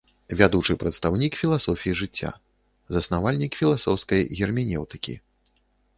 Вядучы прадстаўнік філасофіі жыцця, заснавальнік філасофскай герменеўтыкі.